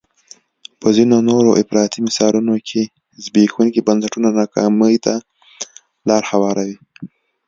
په ځینو نورو افراطي مثالونو کې زبېښونکي بنسټونه ناکامۍ ته لار هواروي.